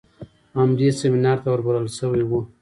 هم دې سمينار ته ور بلل شوى و.